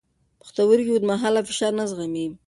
پښتورګي اوږدمهاله فشار نه زغمي.